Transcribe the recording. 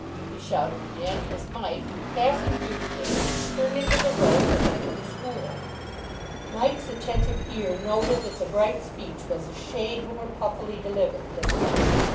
he shouted again, as Mike, passing through the gate, turned into the road that led to the school. Mike's attentive ear noted that the bright speech was a shade more puffily delivered this time.